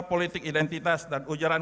politik identitas dan ujaran